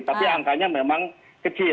tapi angkanya memang kecil